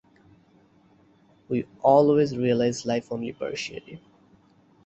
We always realise life only partially.